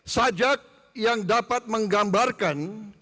sajak yang dapat menggambarkan